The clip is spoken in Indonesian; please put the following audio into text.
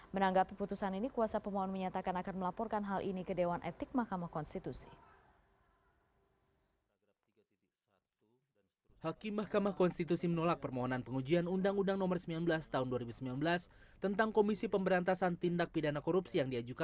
menanggapi putusan ini kuasa pemohon menyatakan akan melaporkan hal ini ke dewan etik mahkamah konstitusi